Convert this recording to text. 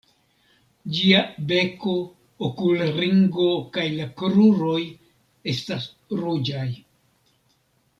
Ĝia beko, okulringo kaj la kruroj estas ruĝaj.